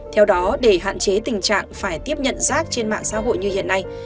theo đó để hạn chế tình trạng phải tiếp nhận rác trên mạng xã hội như hiện nay